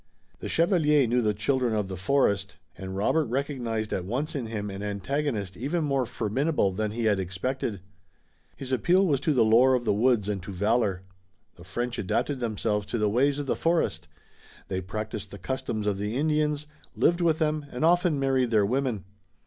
The chevalier knew the children of the forest, and Robert recognized at once in him an antagonist even more formidable than he had expected. His appeal was to the lore of the woods and to valor. The French adapted themselves to the ways of the forest. They practiced the customs of the Indians, lived with them and often married their women.